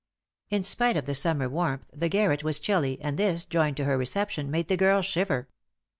In spite of the summer warmth the garret was chilly, and this, joined to her reception, made the girl shiver.